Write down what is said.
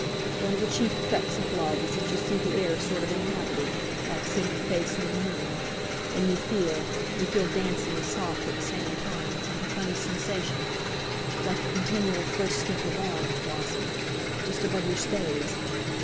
One of the chief effects of love is that you see the air sort of inhabited, like seeing a face in the moon; and you feel—you feel dancey and soft at the same time, with a funny sensation—like a continual first sniff of orange—blossom—Just above your stays.